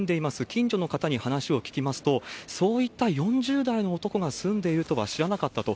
近所の方に話を聞きますと、そういった４０代の男が住んでいるとは知らなかったと。